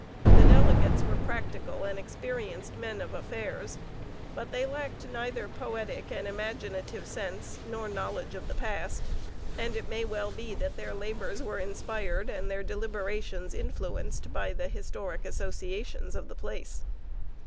The delegates were practical and experienced men of affairs, but they lacked neither poetic and imaginative sense nor knowledge of the past; and it may well be that their labours were inspired and their deliberations influenced by the historic associations of the place.